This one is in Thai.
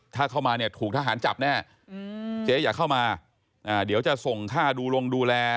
ถ้าเข้ามาเนี่ยถูกทหารจับแน่เจ๊อย่าเข้ามาเดี๋ยวจะส่งค่าดูลงดูแล